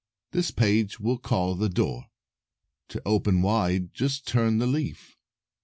This page we'll call the door. To open wide, just turn the leaf.